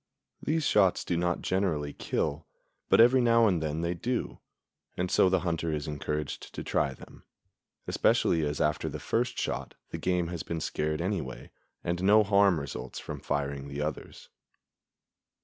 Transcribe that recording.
These shots do not generally kill, but every now and then they do; and so the hunter is encouraged to try them, especially as after the first shot the game has been scared anyway, and no harm results from firing the others.